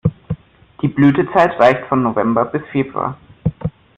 Die Blütezeit reicht von November bis Februar.